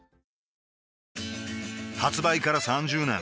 発売から３０年